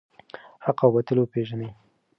حق او باطل وپیژنئ.